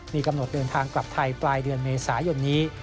มีกำหนดเดินทางกลับไทยปลายเดือนเมษายนนี้